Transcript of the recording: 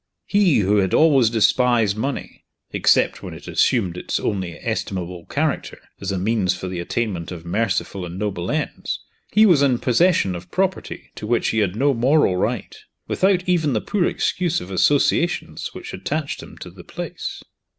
He, who had always despised money except when it assumed its only estimable character, as a means for the attainment of merciful and noble ends he was in possession of property to which he had no moral right: without even the poor excuse of associations which attached him to the place.